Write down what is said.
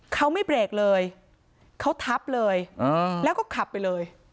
เขาไม่เบรกเลยเขาทับเลยแล้วก็ขับไปเลย